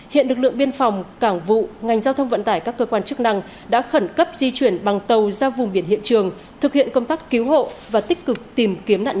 hiện lực lượng biên phòng cảng vụ ngành giao thông vận tải các cơ quan chức năng đã khẩn cấp di chuyển bằng tàu ra vùng biển hiện trường thực hiện công tác cứu hộ và tích cực tìm kiếm nạn nhân